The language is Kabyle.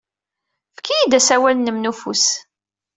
Efk-iyi-d asawal-nnem n ufus.